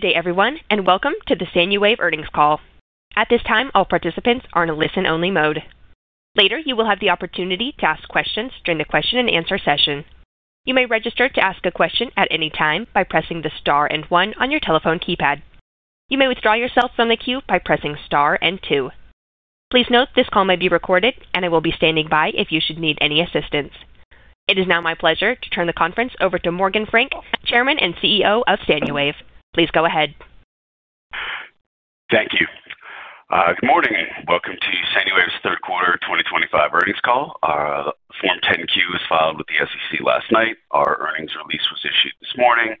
Good day, everyone, and welcome to the Sanuwave Earnings Call. At this time, all participants are in a listen-only mode. Later, you will have the opportunity to ask questions during the question-and-answer session. You may register to ask a question at any time by pressing the star and one on your telephone keypad. You may withdraw yourself from the queue by pressing star and two. Please note this call may be recorded, and I will be standing by if you should need any assistance. It is now my pleasure to turn the conference over to Morgan Frank, Chairman and CEO of Sanuwave. Please go ahead. Thank you. Good morning and welcome to Sanuwave's third quarter 2025 earnings call. Form 10-Q was filed with the SEC last night. Our earnings release was issued this morning,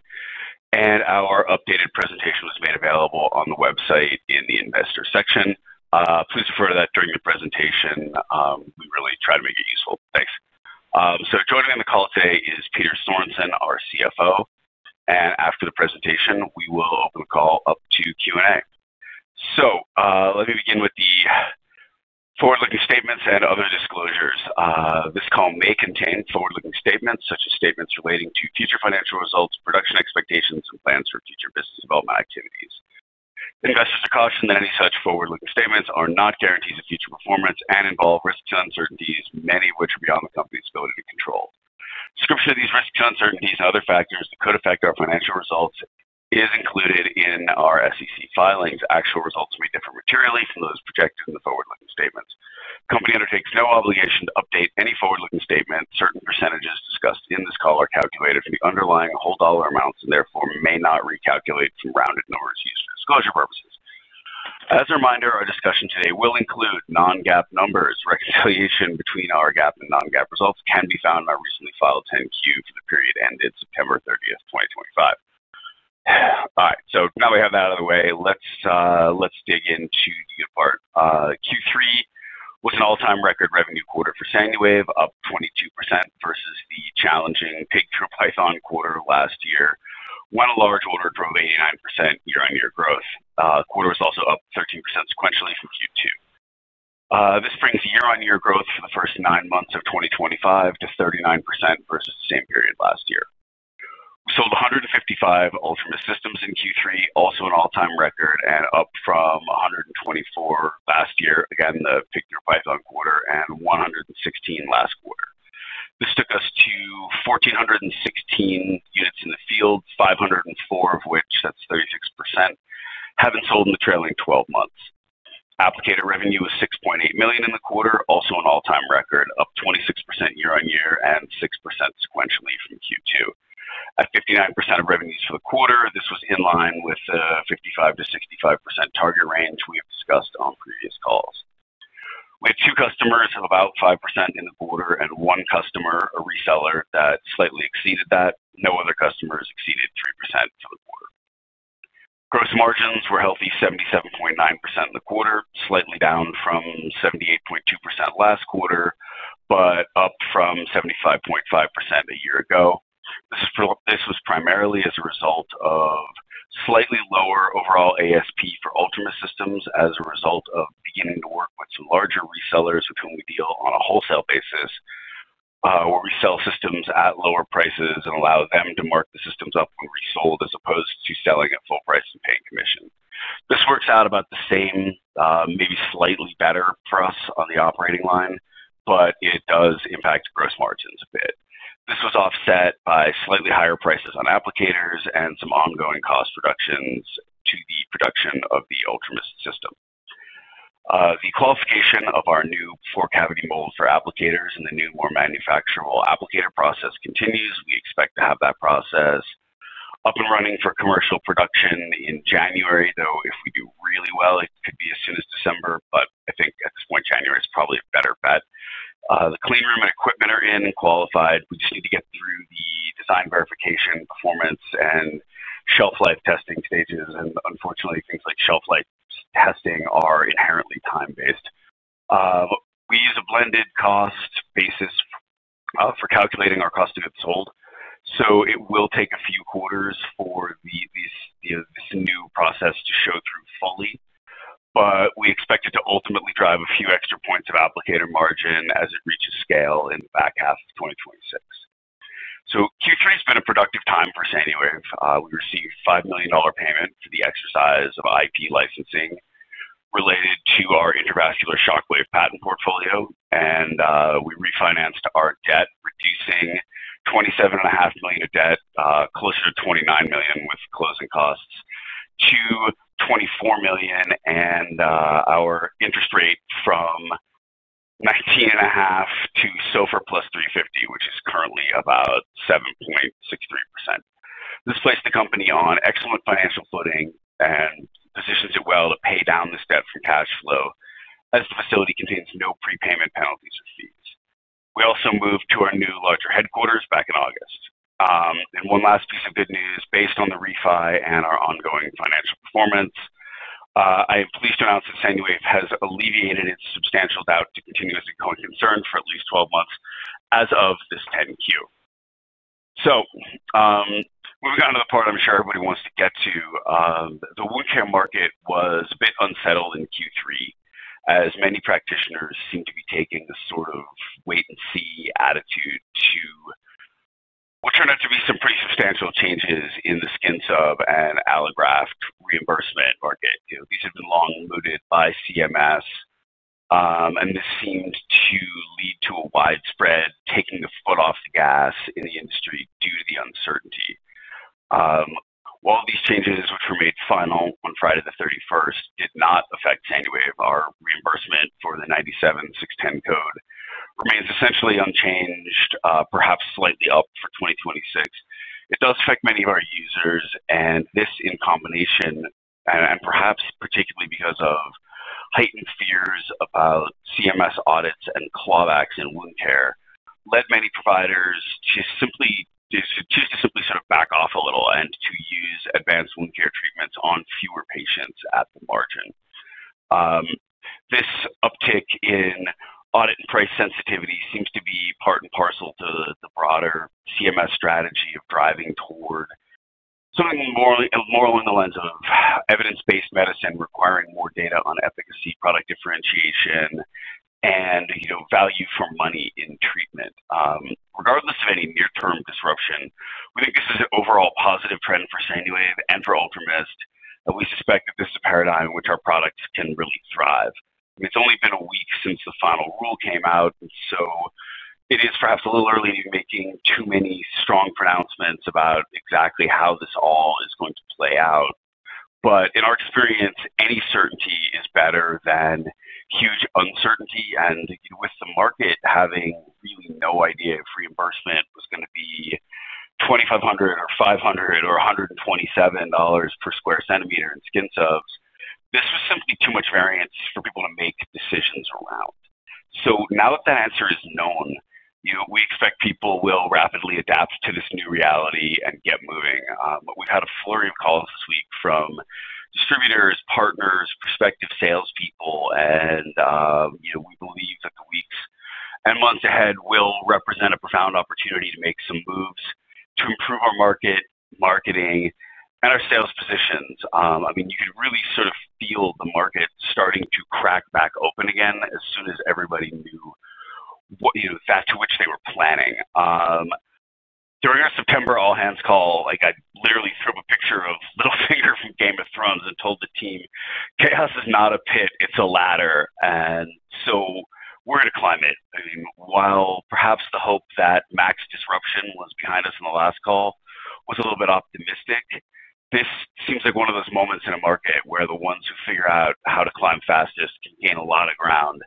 and our updated presentation was made available on the website in the investor section. Please refer to that during the presentation. We really try to make it useful. Thanks. Joining me on the call today is Peter Sorensen, our CFO. After the presentation, we will open the call up to Q&A. Let me begin with the forward-looking statements and other disclosures. This call may contain forward-looking statements such as statements relating to future financial results, production expectations, and plans for future business development activities. Investors are cautioned that any such forward-looking statements are not guarantees of future performance and involve risks and uncertainties, many of which are beyond the company's ability to control. Description of these risks, uncertainties, and other factors that could affect our financial results is included in our SEC filings. Actual results may differ materially from those projected in the forward-looking statements. The company undertakes no obligation to update any forward-looking statement. Certain percentages discussed in this call are calculated from the underlying whole dollar amounts and therefore may not recalculate from rounded numbers used for disclosure purposes. As a reminder, our discussion today will include non-GAAP numbers. Reconciliation between our GAAP and non-GAAP results can be found in our recently filed 10Q for the period ended September 30, 2025. All right. Now we have that out of the way. Let's dig into the part. Q3 was an all-time record revenue quarter for Sanuwave, up 22% versus the challenging quarter last year, when a large order drove 89% year-on-year growth. The quarter was also up 13% sequentially from Q2. This brings year-on-year growth for the first nine months of 2025 to 39% versus the same period last year. We sold 155 Ultimate Systems in Q3, also an all-time record, and up from 124 last year, again, the Pigtail Python quarter, and 116 last quarter. This took us to 1,416 units in the field, 504 of which, that's 36%, having sold in the trailing 12 months. Applicator revenue was $6.8 million in the quarter, also an all-time record, up 26% year-on-year and 6% sequentially from Q2. At 59% of revenues for the quarter, this was in line with the 55-65% target range we have discussed on previous calls. We had two customers of about 5% in the quarter and one customer, a reseller, that slightly exceeded that. No other customers exceeded 3% for the quarter. Gross margins were healthy, 77.9% in the quarter, slightly down from 78.2% last quarter, but up from 75.5% a year ago. This was primarily as a result of slightly lower overall ASP for Ultimate Systems as a result of beginning to work with some larger resellers with whom we deal on a wholesale basis, where we sell systems at lower prices and allow them to mark the systems up when resold as opposed to selling at full price and paying commission. This works out about the same, maybe slightly better for us on the operating line, but it does impact gross margins a bit. This was offset by slightly higher prices on applicators and some ongoing cost reductions to the production of the Ultimate System. The qualification of our new four-cavity mold for applicators and the new more manufacturable applicator process continues. We expect to have that process up and running for commercial production in January, though if we do really well, it could be as soon as December. I think at this point, January is probably a better bet. The clean room and equipment are in and qualified. We just need to get through the design verification, performance, and shelf life testing stages. Unfortunately, things like shelf life testing are inherently time-based. We use a blended cost basis for calculating our cost units sold. It will take a few quarters for this new process to show through fully. We expect it to ultimately drive a few extra points of applicator margin as it reaches scale in the back half of 2026. Q3 has been a productive time for Sanuwave. We received a $5 million payment for the exercise of IP licensing related to our intravascular shockwave patent portfolio. We refinanced our debt, reducing $27.5 million of debt, closer to $29 million with closing costs, to $24 million. Our interest rate from 19.5% to SOFR plus 350, which is currently about 7.63%. This placed the company on excellent financial footing and positions it well to pay down this debt from cash flow as the facility contains no prepayment penalties or fees. We also moved to our new larger headquarters back in August. One last piece of good news, based on the refi and our ongoing financial performance, I am pleased to announce that Sanuwave has alleviated its substantial doubt to continuously concern for at least 12 months as of this 10Q. We've gotten to the part I'm sure everybody wants to get to. The wound care market was a bit unsettled in Q3, as many practitioners seemed to be taking a sort of wait-and-see attitude to what turned out to be some pretty substantial changes in the skin sub and allograft reimbursement market. These have been long mooted by CMS. This seemed to lead to a widespread taking the foot off the gas in the industry due to the uncertainty. While these changes, which were made final on Friday the 31st, did not affect Sanuwave, our reimbursement for the 97610 code remains essentially unchanged, perhaps slightly up for 2026. It does affect many of our users. This, in combination, and perhaps particularly because of heightened fears about CMS audits and clawbacks in wound care, led many providers to simply choose to simply sort of back off a little and to use advanced wound care treatments on fewer patients at the margin. This uptick in audit and price sensitivity seems to be part and parcel to the broader CMS strategy of driving toward something more along the lines of evidence-based medicine requiring more data on efficacy, product differentiation, and value for money in treatment. Regardless of any near-term disruption, we think this is an overall positive trend for Sanuwave and for UltraMIST. We suspect that this is a paradigm in which our product can really thrive. It's only been a week since the final rule came out. It is perhaps a little early to be making too many strong pronouncements about exactly how this all is going to play out. In our experience, any certainty is better than huge uncertainty. With the market having really no idea if reimbursement was going to be $2,500 or $500 or $127 per square centimeter in skin subs, this was simply too much variance for people to make decisions around. Now that that answer is known, we expect people will rapidly adapt to this new reality and get moving. We've had a flurry of calls this week from distributors, partners, prospective salespeople. We believe that the weeks and months ahead will represent a profound opportunity to make some moves to improve our market, marketing, and our sales positions. I mean, you could really sort of feel the market starting to crack back open again as soon as everybody knew back to which they were planning. During our September all-hands call, I literally threw up a picture of Littlefinger from Game of Thrones and told the team, "Chaos is not a pit. It's a ladder." And we are going to climb it. I mean, while perhaps the hope that max disruption was behind us in the last call was a little bit optimistic, this seems like one of those moments in a market where the ones who figure out how to climb fastest can gain a lot of ground.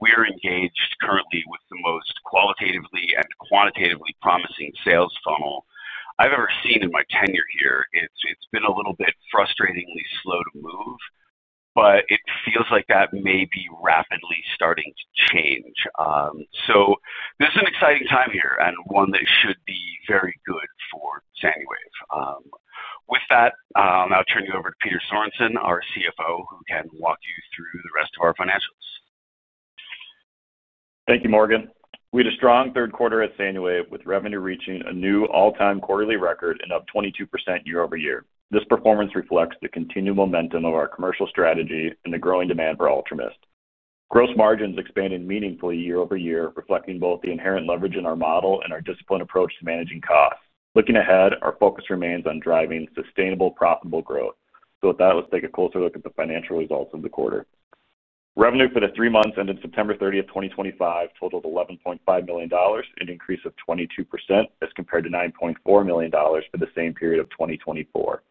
We are engaged currently with the most qualitatively and quantitatively promising sales funnel I've ever seen in my tenure here. It's been a little bit frustratingly slow to move, but it feels like that may be rapidly starting to change. This is an exciting time here and one that should be very good for Sanuwave. With that, I'll turn you over to Peter Sorensen, our CFO, who can walk you through the rest of our financials. Thank you, Morgan. We had a strong third quarter at Sanuwave with revenue reaching a new all-time quarterly record and up 22% year-over-year. This performance reflects the continued momentum of our commercial strategy and the growing demand for UltraMIST. Gross margins expanded meaningfully year-over-year, reflecting both the inherent leverage in our model and our disciplined approach to managing costs. Looking ahead, our focus remains on driving sustainable, profitable growth. With that, let's take a closer look at the financial results of the quarter. Revenue for the three months ended September 30, 2025, totaled $11.5 million, an increase of 22% as compared to $9.4 million for the same period of 2024.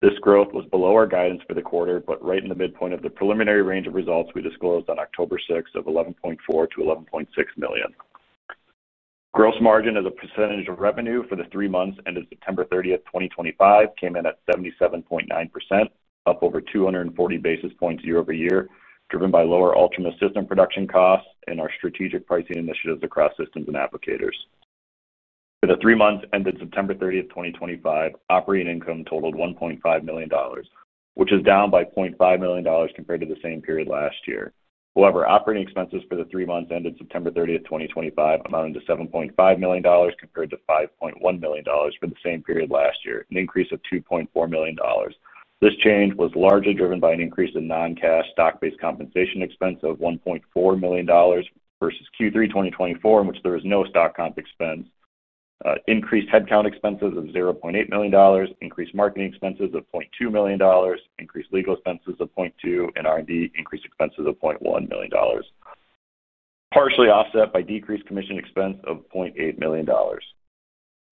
This growth was below our guidance for the quarter, but right in the midpoint of the preliminary range of results we disclosed on October 6 of $11.4 million-$11.6 million. Gross margin as a percentage of revenue for the three months ended September 30, 2025, came in at 77.9%, up over 240 basis points year-over-year, driven by lower Ultimate System production costs and our strategic pricing initiatives across systems and applicators. For the three months ended September 30, 2025, operating income totaled $1.5 million, which is down by $0.5 million compared to the same period last year. However, operating expenses for the three months ended September 30, 2025, amounted to $7.5 million compared to $5.1 million for the same period last year, an increase of $2.4 million. This change was largely driven by an increase in non-cash stock-based compensation expense of $1.4 million versus Q3, 2024, in which there was no stock comp expense, increased headcount expenses of $0.8 million, increased marketing expenses of $0.2 million, increased legal expenses of $0.2 million, and R&D increased expenses of $0.1 million, partially offset by decreased commission expense of $0.8 million.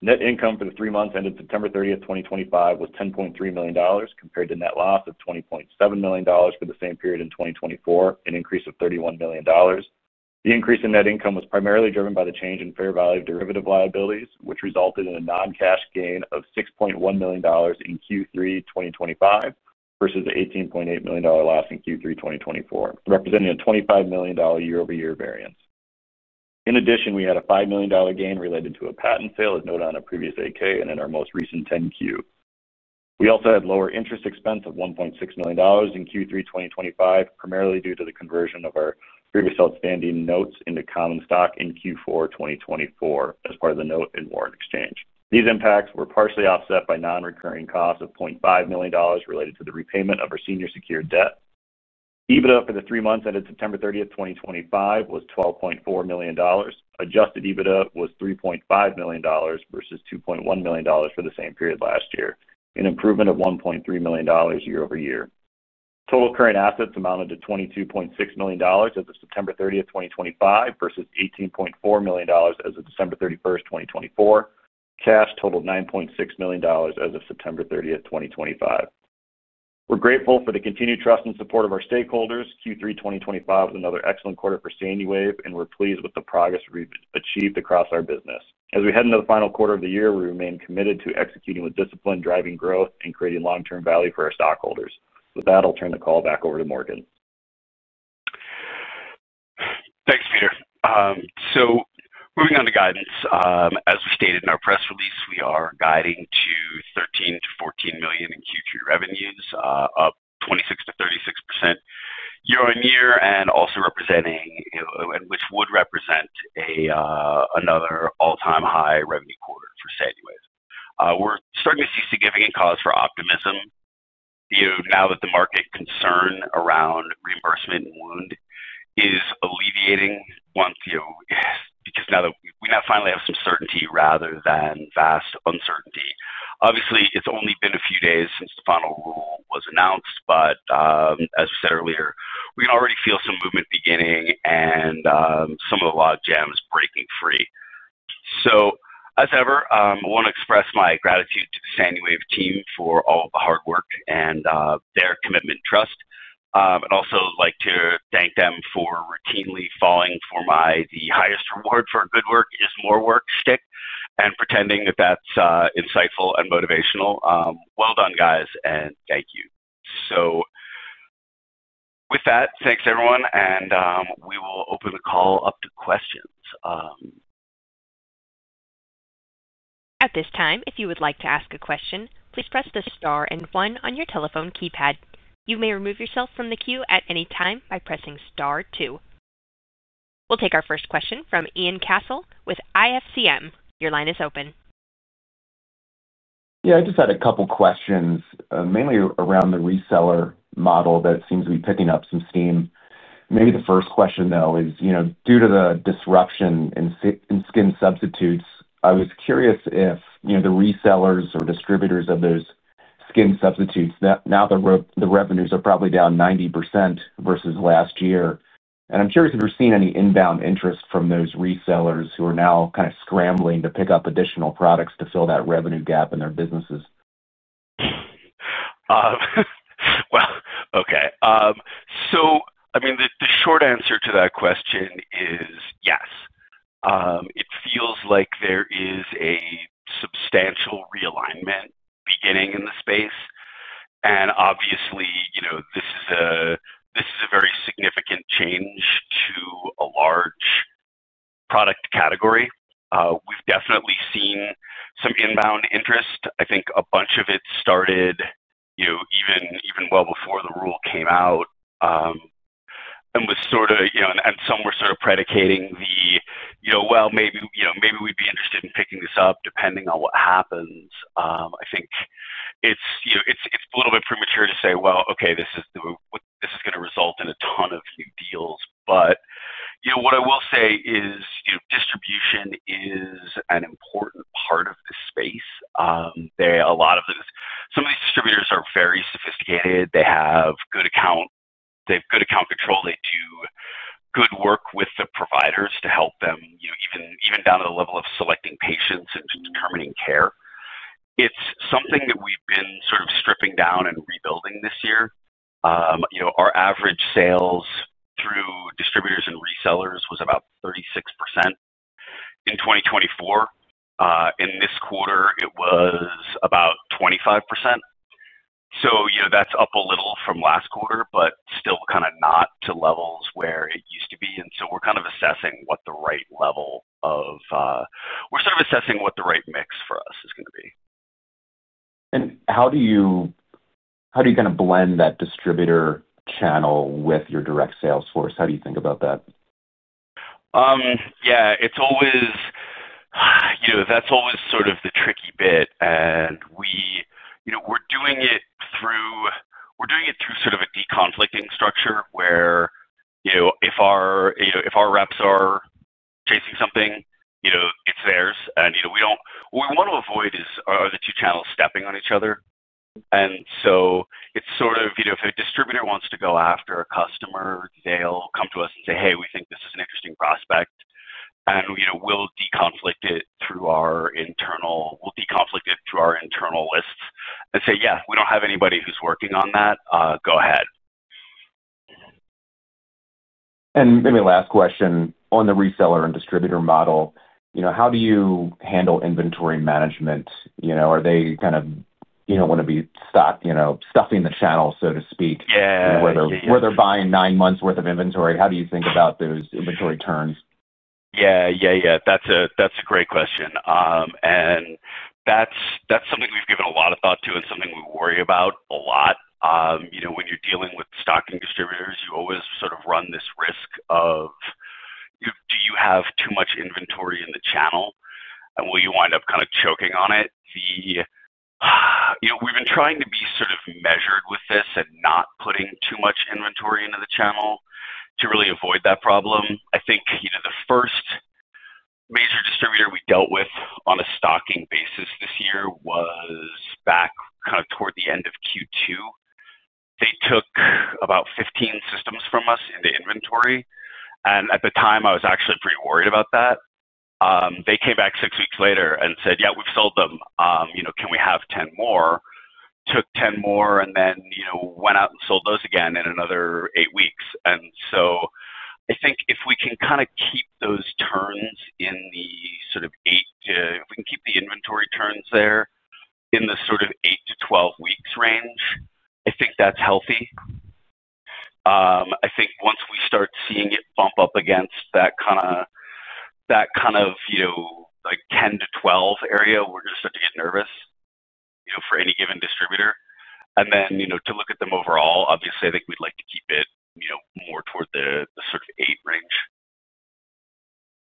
Net income for the three months ended September 30th, 2025, was $10.3 million compared to net loss of $20.7 million for the same period in 2024, an increase of $31 million. The increase in net income was primarily driven by the change in fair value of derivative liabilities, which resulted in a non-cash gain of $6.1 million in Q3, 2025, versus an $18.8 million loss in Q3, 2024, representing a $25 million year-over-year variance. In addition, we had a $5 million gain related to a patent sale as noted on a previous AK and in our most recent 10Q. We also had lower interest expense of $1.6 million in Q3, 2025, primarily due to the conversion of our previous outstanding notes into common stock in Q4, 2024, as part of the note and warrant exchange. These impacts were partially offset by non-recurring costs of $0.5 million related to the repayment of our senior secured debt. EBITDA for the three months ended September 30th, 2025, was $12.4 million. Adjusted EBITDA was $3.5 million versus $2.1 million for the same period last year, an improvement of $1.3 million year-over-year. Total current assets amounted to $22.6 million as of September 30th, 2025, versus $18.4 million as of December 31st, 2024. Cash totaled $9.6 million as of September 30th, 2025. We're grateful for the continued trust and support of our stakeholders. Q3, 2025 was another excellent quarter for Sanuwave, and we're pleased with the progress we've achieved across our business. As we head into the final quarter of the year, we remain committed to executing with discipline, driving growth, and creating long-term value for our stockholders. With that, I'll turn the call back over to Morgan. Thanks, Peter. Moving on to guidance. As we stated in our press release, we are guiding to $13 million-$14 million in Q3 revenues, up 26%-36% year-on-year, and also representing, which would represent another all-time high revenue quarter for Sanuwave. We're starting to see significant cause for optimism now that the market concern around reimbursement and wound is alleviating because now that we now finally have some certainty rather than vast uncertainty. Obviously, it's only been a few days since the final rule was announced, but as we said earlier, we can already feel some movement beginning and some of the logjams breaking free. As ever, I want to express my gratitude to the Sanuwave team for all of the hard work and their commitment and trust. I'd also like to thank them for routinely falling for my "the highest reward for good work is more work" shtick and pretending that that's insightful and motivational. Well done, guys, and thank you. With that, thanks, everyone. We will open the call up to questions. At this time, if you would like to ask a question, please press the star and one on your telephone keypad. You may remove yourself from the queue at any time by pressing star two. We'll take our first question from Ian Cassel with IFCM. Your line is open. Yeah, I just had a couple of questions, mainly around the reseller model that seems to be picking up some steam. Maybe the first question, though, is due to the disruption in skin substitutes, I was curious if the resellers or distributors of those skin substitutes, now the revenues are probably down 90% versus last year. I'm curious if you're seeing any inbound interest from those resellers who are now kind of scrambling to pick up additional products to fill that revenue gap in their businesses. Okay. I mean, the short answer to that question is yes. It feels like there is a substantial realignment beginning in the space. Obviously, this is a very significant change to a large product category. We've definitely seen some inbound interest. I think a bunch of it started even well before the rule came out and was sort of, and some were sort of predicating the, "Well, maybe we'd be interested in picking this up depending on what happens." I think it's a little bit premature to say, "Okay, this is going to result in a ton of new deals." What I will say is distribution is an important part of this space. A lot of some of these distributors are very sophisticated. They have good account control. They do good work with the providers to help them even down to the level of selecting patients and determining care. It's something that we've been sort of stripping down and rebuilding this year. Our average sales through distributors and resellers was about 36% in 2024. In this quarter, it was about 25%. That's up a little from last quarter, but still kind of not to levels where it used to be. We're kind of assessing what the right mix for us is going to be. How do you kind of blend that distributor channel with your direct sales force? How do you think about that? Yeah, that's always sort of the tricky bit. We're doing it through sort of a deconflicting structure where if our reps are chasing something, it's theirs. What we want to avoid is the two channels stepping on each other. It's sort of if a distributor wants to go after a customer, they'll come to us and say, "Hey, we think this is an interesting prospect." We'll deconflict it through our internal lists and say, "Yeah, we don't have anybody who's working on that. Go ahead. Maybe last question on the reseller and distributor model. How do you handle inventory management? Are they kind of, you do not want to be stuffing the channel, so to speak, where they are buying nine months' worth of inventory. How do you think about those inventory turns? Yeah, yeah, yeah. That's a great question. That's something we've given a lot of thought to and something we worry about a lot. When you're dealing with stocking distributors, you always sort of run this risk of, "Do you have too much inventory in the channel? Will you wind up kind of choking on it?" We've been trying to be sort of measured with this and not putting too much inventory into the channel to really avoid that problem. I think the first major distributor we dealt with on a stocking basis this year was back kind of toward the end of Q2. They took about 15 systems from us into inventory. At the time, I was actually pretty worried about that. They came back six weeks later and said, "Yeah, we've sold them. Can we have 10 more?" Took 10 more and then went out and sold those again in another eight weeks. I think if we can kind of keep those turns in the sort of eight, if we can keep the inventory turns there in the sort of 8-12 weeks range, I think that's healthy. I think once we start seeing it bump up against that kind of 10-12 area, we're going to start to get nervous for any given distributor. To look at them overall, obviously, I think we'd like to keep it more toward the sort of 8 range.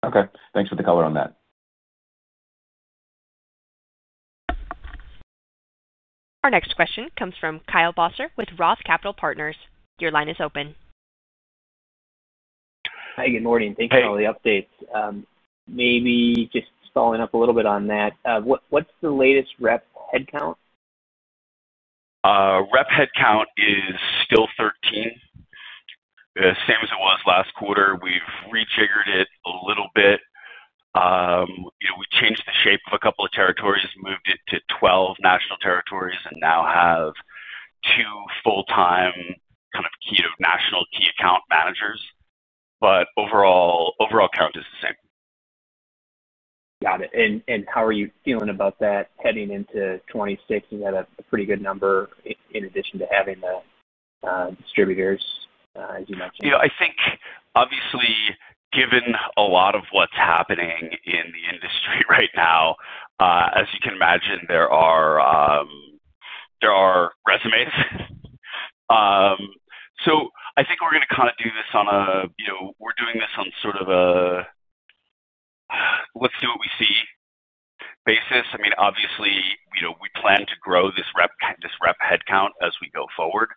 Okay. Thanks for the color on that. Our next question comes from Kyle Bauser with Roth Capital Partners. Your line is open. Hi, good morning. Thank you for all the updates. Maybe just following up a little bit on that, what's the latest rep headcount? Rep headcount is still 13, same as it was last quarter. We've rejiggered it a little bit. We changed the shape of a couple of territories, moved it to 12 national territories, and now have two full-time kind of key national key account managers. Overall, count is the same. Got it. How are you feeling about that heading into 2026? You had a pretty good number in addition to having the distributors, as you mentioned. I think, obviously, given a lot of what's happening in the industry right now, as you can imagine, there are resumes. I think we're going to kind of do this on a we're doing this on sort of a let's-do-what-we-see basis. I mean, obviously, we plan to grow this rep headcount as we go forward.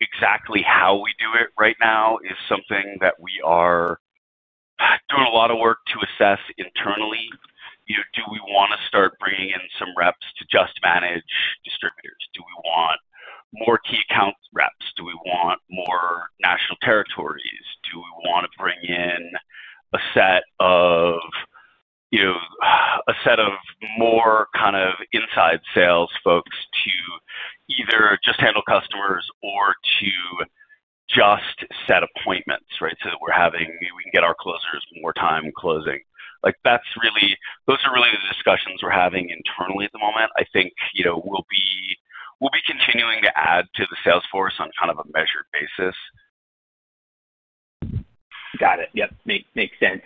Exactly how we do it right now is something that we are doing a lot of work to assess internally. Do we want to start bringing in some reps to just manage distributors? Do we want more key account reps? Do we want more national territories? Do we want to bring in a set of more kind of inside sales folks to either just handle customers or to just set appointments, right, so that we can get our closers more time closing? Those are really the discussions we're having internally at the moment. I think we'll be continuing to add to the sales force on kind of a measured basis. Got it. Yep. Makes sense.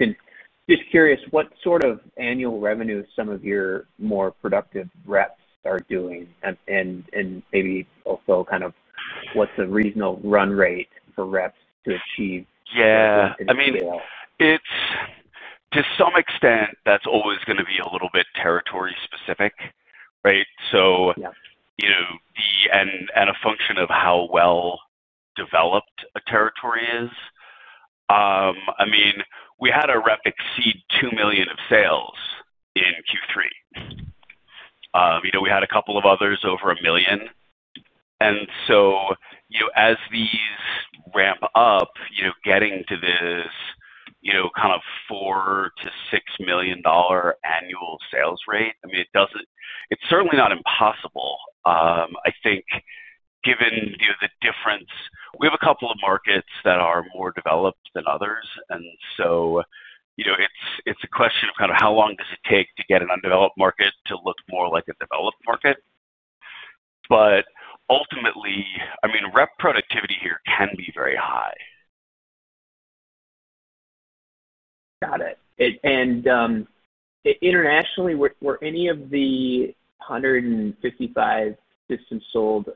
Just curious, what sort of annual revenue some of your more productive reps are doing? Maybe also kind of what's the reasonable run rate for reps to achieve sales? Yeah. I mean, to some extent, that's always going to be a little bit territory specific, right? And a function of how well developed a territory is. I mean, we had a rep exceed $2 million of sales in Q3. We had a couple of others over $1 million. As these ramp up, getting to this kind of $4 million-$6 million annual sales rate, I mean, it's certainly not impossible. I think given the difference, we have a couple of markets that are more developed than others. It's a question of kind of how long does it take to get an undeveloped market to look more like a developed market. Ultimately, I mean, rep productivity here can be very high. Got it. Internationally, were any of the 155 systems sold,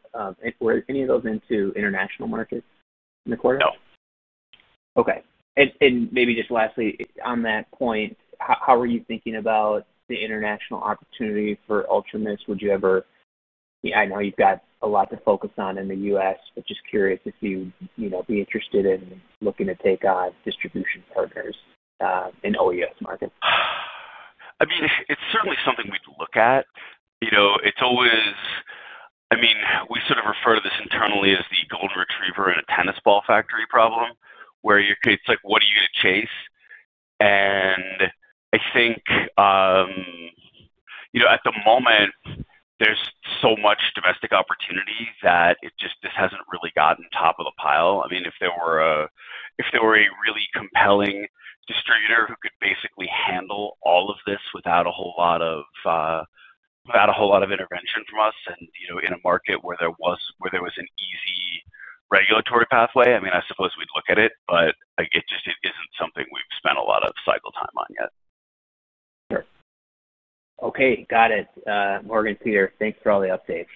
were any of those into international markets in the quarter? No. Okay. Maybe just lastly, on that point, how are you thinking about the international opportunity for UltraMIST? I know you've got a lot to focus on in the US, but just curious if you'd be interested in looking to take on distribution partners in OUS markets. I mean, it's certainly something we'd look at. I mean, we sort of refer to this internally as the golden retriever in a tennis ball factory problem, where it's like, "What are you going to chase?" I think at the moment, there's so much domestic opportunity that it just hasn't really gotten top of the pile. I mean, if there were a really compelling distributor who could basically handle all of this without a whole lot of intervention from us and in a market where there was an easy regulatory pathway, I mean, I suppose we'd look at it, but it just isn't something we've spent a lot of cycle time on yet. Sure. Okay. Got it. Morgan, Peter, thanks for all the updates.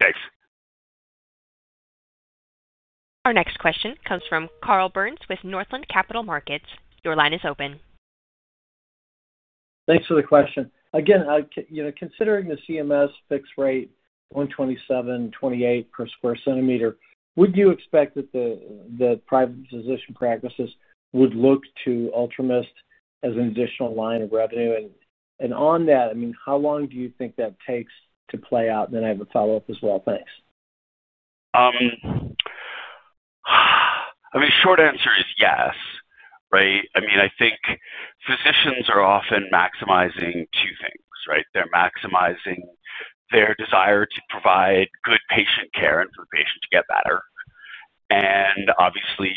Thanks. Our next question comes from Carl Byrnes with Northland Capital Markets. Your line is open. Thanks for the question. Again, considering the CMS fixed rate $127.28 per square centimeter, would you expect that the privatization practices would look to UltraMIST as an additional line of revenue? On that, I mean, how long do you think that takes to play out? I have a follow-up as well. Thanks. I mean, short answer is yes, right? I mean, I think physicians are often maximizing two things, right? They're maximizing their desire to provide good patient care and for the patient to get better. Obviously,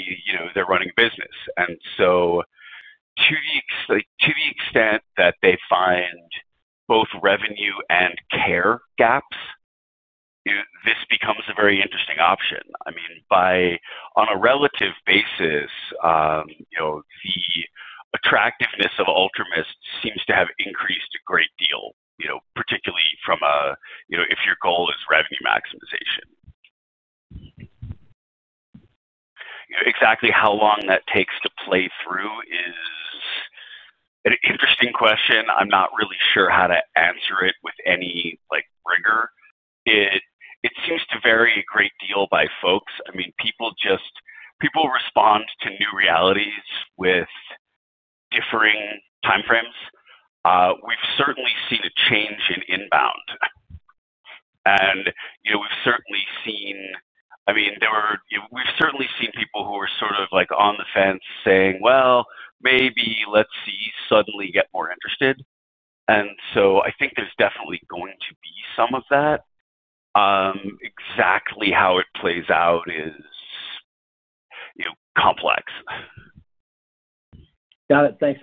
they're running a business. To the extent that they find both revenue and care gaps, this becomes a very interesting option. I mean, on a relative basis, the attractiveness of UltraMIST seems to have increased a great deal, particularly if your goal is revenue maximization. Exactly how long that takes to play through is an interesting question. I'm not really sure how to answer it with any rigor. It seems to vary a great deal by folks. I mean, people respond to new realities with differing time frames. We've certainly seen a change in inbound. We've certainly seen, I mean, we've certainly seen people who are sort of on the fence saying, "Well, maybe let's see, suddenly get more interested." I think there's definitely going to be some of that. Exactly how it plays out is complex. Got it. Thanks.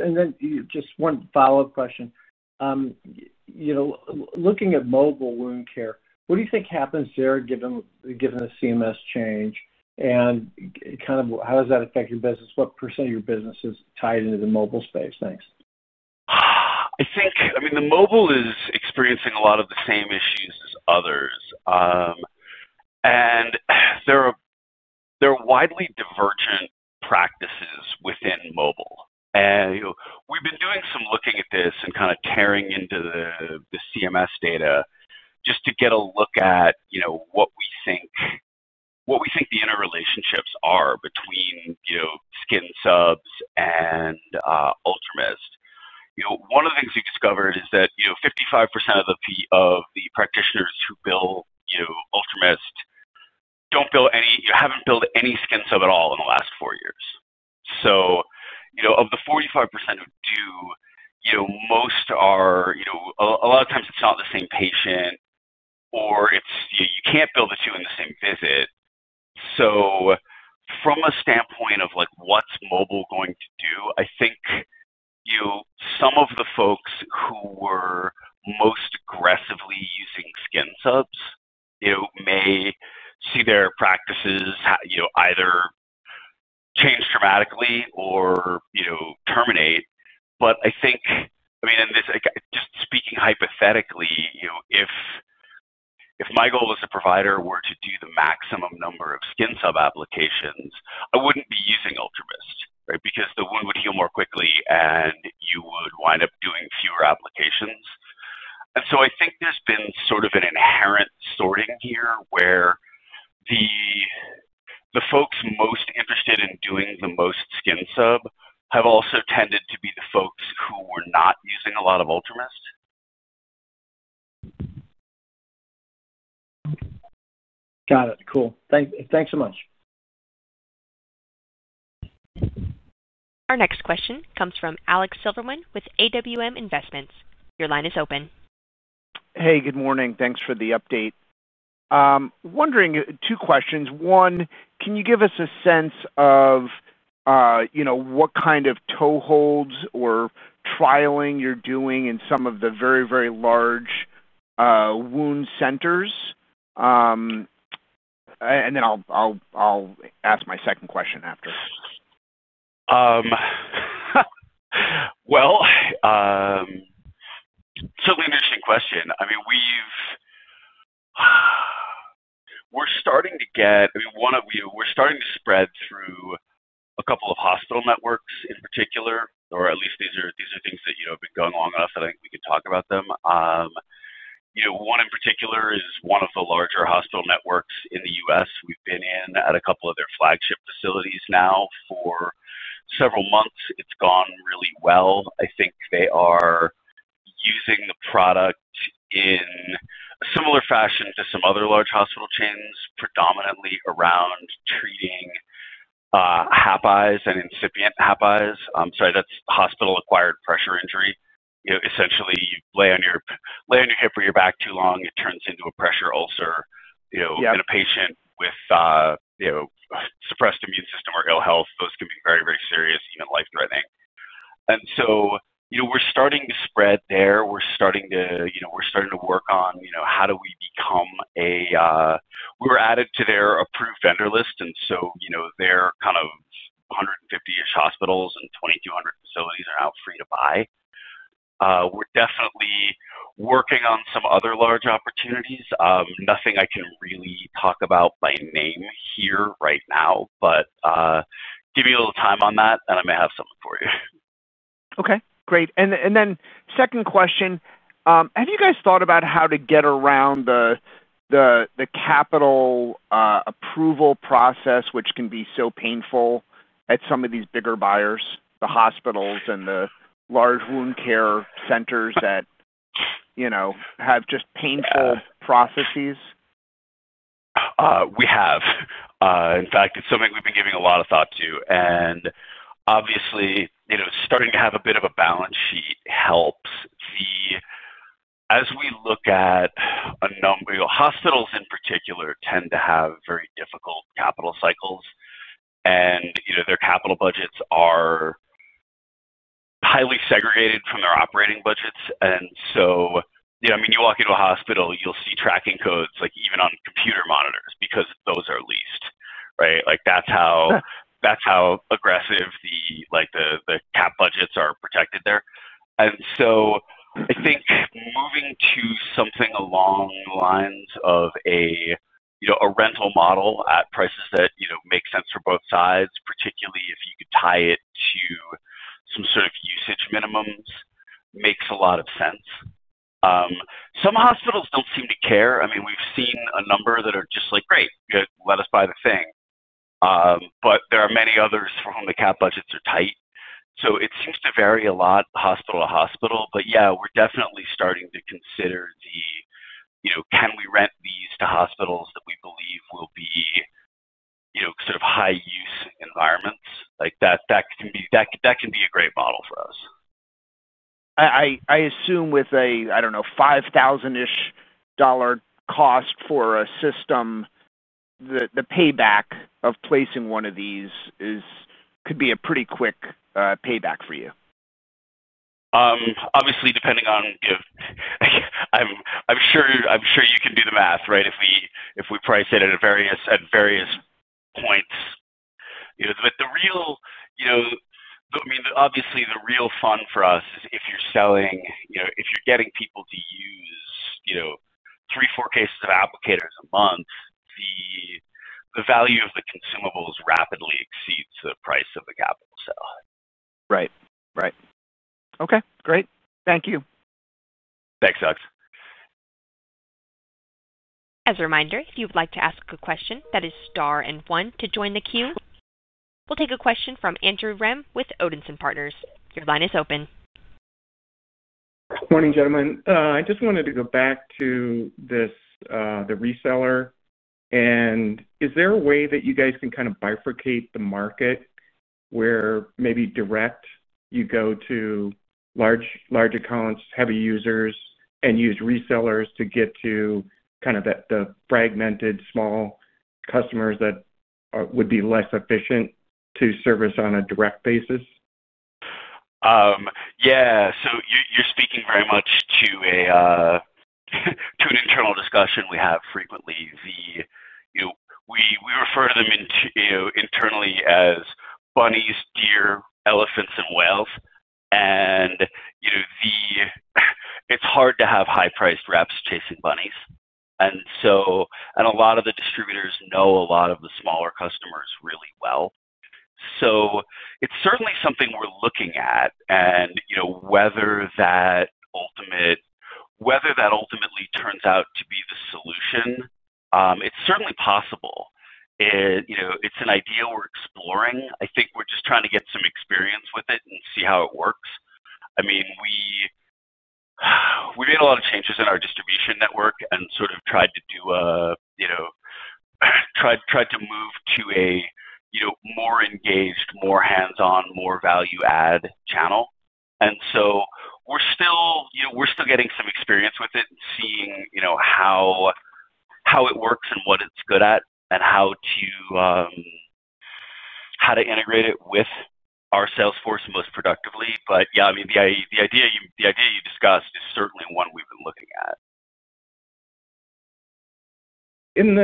Just one follow-up question. Looking at mobile wound care, what do you think happens there given the CMS change? How does that affect your business? What % of your business is tied into the mobile space? Thanks. I mean, the mobile is experiencing a lot of the same issues as others. There are widely divergent practices within mobile. We've been doing some looking at this and kind of tearing into the CMS data just to get a look at what we think the interrelationships are between skin subs and UltraMIST. One of the things we discovered is that 55% of the practitioners who bill UltraMIST don't bill any, haven't billed any skin sub at all in the last four years. Of the 45% who do, most are, a lot of times it's not the same patient, or you can't bill the two in the same visit. From a standpoint of what's mobile going to do, I think some of the folks who were most aggressively using skin subs may see their practices either change dramatically or terminate. I think, I mean, just speaking hypothetically, if my goal as a provider were to do the maximum number of skin sub applications, I would not be using UltraMIST, right? Because the wound would heal more quickly, and you would wind up doing fewer applications. I think there has been sort of an inherent sorting here where the folks most interested in doing the most skin sub have also tended to be the folks who were not using a lot of UltraMIST. Got it. Cool. Thanks so much. Our next question comes from Alex Silverman with AWM Investments. Your line is open. Hey, good morning. Thanks for the update. Wondering, two questions. One, can you give us a sense of what kind of toeholds or trialing you're doing in some of the very, very large wound centers? And then I'll ask my second question after. It's a really interesting question. I mean, we're starting to get, I mean, we're starting to spread through a couple of hospital networks in particular, or at least these are things that have been going long enough that I think we can talk about them. One in particular is one of the larger hospital networks in the US. We've been in at a couple of their flagship facilities now for several months. It's gone really well. I think they are using the product in a similar fashion to some other large hospital chains, predominantly around treating HAPIs and incipient HAPIs. Sorry, that's hospital-acquired pressure injury. Essentially, you lay on your hip or your back too long. It turns into a pressure ulcer. In a patient with suppressed immune system or ill health, those can be very, very serious, even life-threatening. We're starting to spread there. We're starting to work on how do we become a we were added to their approved vendor list. Their kind of 150-ish hospitals and 2,200 facilities are now free to buy. We're definitely working on some other large opportunities. Nothing I can really talk about by name here right now, but give me a little time on that, and I may have something for you. Okay. Great. Second question, have you guys thought about how to get around the capital approval process, which can be so painful at some of these bigger buyers, the hospitals and the large wound care centers that have just painful processes? We have. In fact, it's something we've been giving a lot of thought to. Obviously, starting to have a bit of a balance sheet helps. As we look at a number of hospitals in particular, they tend to have very difficult capital cycles. Their capital budgets are highly segregated from their operating budgets. I mean, you walk into a hospital, you'll see tracking codes even on computer monitors because those are leased, right? That's how aggressive the capital budgets are protected there. I think moving to something along the lines of a rental model at prices that make sense for both sides, particularly if you could tie it to some sort of usage minimums, makes a lot of sense. Some hospitals don't seem to care. I mean, we've seen a number that are just like, "Great. Let us buy the thing." There are many others for whom the cap budgets are tight. It seems to vary a lot hospital to hospital. Yeah, we're definitely starting to consider the, "Can we rent these to hospitals that we believe will be sort of high-use environments?" That can be a great model for us. I assume with a, I don't know, $5,000-ish dollar cost for a system, the payback of placing one of these could be a pretty quick payback for you. Obviously, depending on, I'm sure you can do the math, right? If we price it at various points. I mean, obviously, the real fun for us is if you're selling, if you're getting people to use three, four cases of applicators a month, the value of the consumables rapidly exceeds the price of the capital sale. Right. Right. Okay. Great. Thank you. Thanks, Alex. As a reminder, if you'd like to ask a question, that is star and one to join the queue. We'll take a question from Andrew Rem with Odinson Partners. Your line is open. Good morning, gentlemen. I just wanted to go back to the reseller. Is there a way that you guys can kind of bifurcate the market where maybe direct you go to large accounts, heavy users, and use resellers to get to kind of the fragmented small customers that would be less efficient to service on a direct basis? Yeah. You're speaking very much to an internal discussion we have frequently. We refer to them internally as bunnies, deer, elephants, and whales. It's hard to have high-priced reps chasing bunnies. A lot of the distributors know a lot of the smaller customers really well. It's certainly something we're looking at. Whether that ultimately turns out to be the solution, it's certainly possible. It's an idea we're exploring. I think we're just trying to get some experience with it and see how it works. I mean, we've made a lot of changes in our distribution network and sort of tried to move to a more engaged, more hands-on, more value-add channel. We're still getting some experience with it and seeing how it works and what it's good at and how to integrate it with our sales force most productively. Yeah, I mean, the idea you discussed is certainly one we've been looking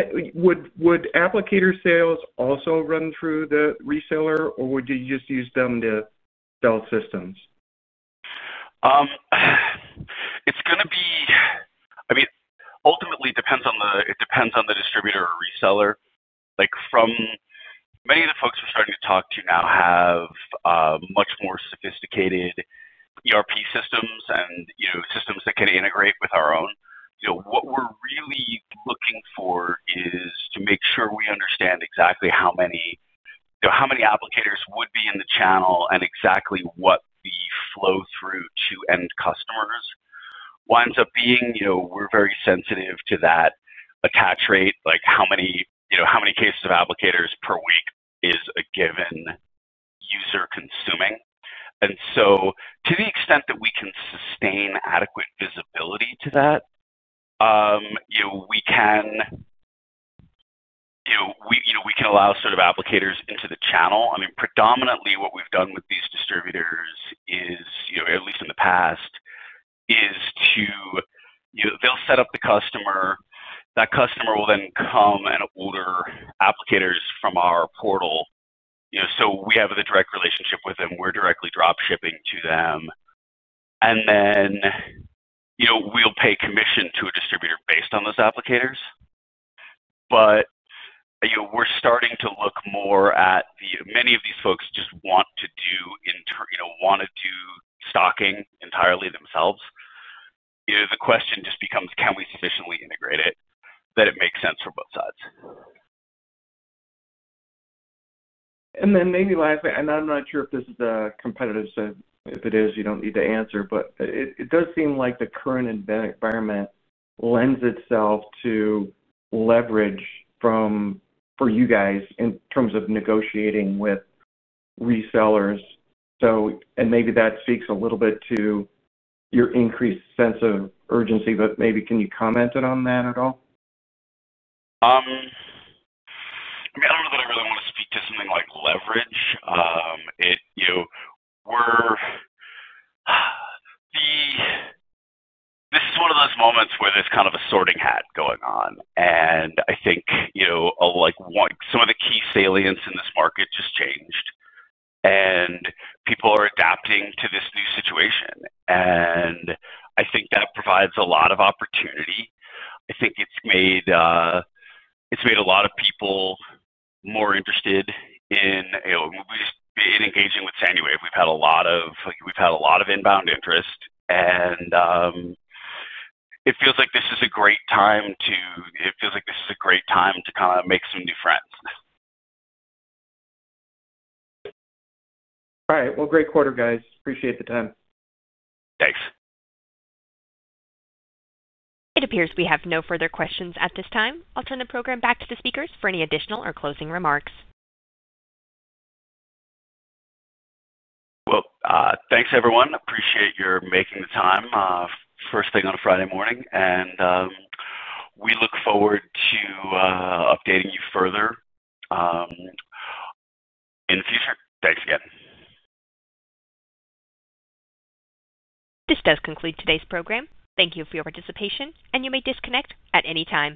at. Would applicator sales also run through the reseller, or would you just use them to sell systems? It's going to be, I mean, ultimately, it depends on the distributor or reseller. Many of the folks we're starting to talk to now have much more sophisticated ERP systems and systems that can integrate with our own. What we're really looking for is to make sure we understand exactly how many applicators would be in the channel and exactly what the flow through to end customers winds up being. We're very sensitive to that attach rate, like how many cases of applicators per week is a given user consuming. To the extent that we can sustain adequate visibility to that, we can allow sort of applicators into the channel. I mean, predominantly, what we've done with these distributors, at least in the past, is they'll set up the customer. That customer will then come and order applicators from our portal. We have the direct relationship with them. We're directly dropshipping to them, and then we'll pay commission to a distributor based on those applicators. We're starting to look more at the many of these folks just want to do stocking entirely themselves. The question just becomes, can we sufficiently integrate it that it makes sense for both sides? Maybe lastly, and I'm not sure if this is a competitive set. If it is, you don't need to answer. It does seem like the current environment lends itself to leverage for you guys in terms of negotiating with resellers. Maybe that speaks a little bit to your increased sense of urgency. Maybe can you comment on that at all? I mean, I don't know that I really want to speak to something like leverage. This is one of those moments where there's kind of a sorting hat going on. I think some of the key salience in this market just changed. People are adapting to this new situation. I think that provides a lot of opportunity. I think it's made a lot of people more interested in engaging with Sanuwave. We've had a lot of inbound interest. It feels like this is a great time to kind of make some new friends. All right. Great quarter, guys. Appreciate the time. Thanks. It appears we have no further questions at this time. I'll turn the program back to the speakers for any additional or closing remarks. Thanks, everyone. Appreciate your making the time first thing on a Friday morning. We look forward to updating you further in the future. Thanks again. This does conclude today's program. Thank you for your participation, and you may disconnect at any time.